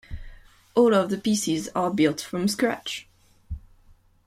All of the pieces are built from scratch.